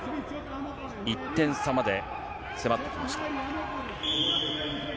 １点差まで迫ってきました。